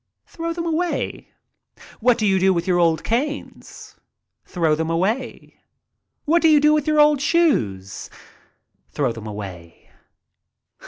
"Throw them away." "What do you do with your old canes?" "Throw them away." "What do you do with your old shoes?" " Throw them away."